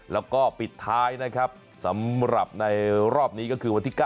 แล้วก็ปิดท้ายนะครับสำหรับในรอบนี้ก็คือวันที่๙